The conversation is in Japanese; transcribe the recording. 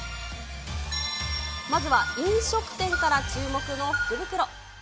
まずは、飲食店から注目の福袋。